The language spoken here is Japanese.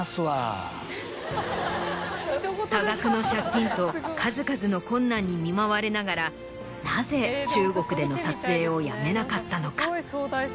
多額の借金と数々の困難に見舞われながらなぜ中国での撮影をやめなかったのか。